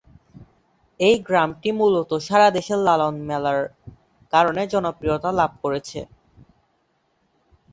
এই গ্রামটি মূলত সারা দেশে লালন মেলার কারণে জনপ্রিয়তা লাভ করেছে।